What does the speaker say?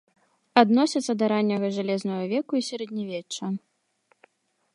Адносяцца да ранняга жалезнага веку і сярэднявечча.